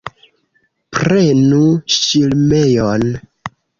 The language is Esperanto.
Prenu ŝirmejon!